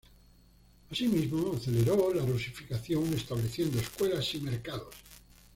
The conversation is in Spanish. Asimismo aceleró la rusificación estableciendo escuelas y mercados.